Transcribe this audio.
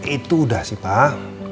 itu udah sih pak